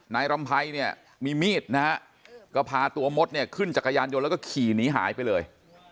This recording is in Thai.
รำไพรเนี่ยมีมีดนะฮะก็พาตัวมดเนี่ยขึ้นจักรยานยนต์แล้วก็ขี่หนีหายไปเลย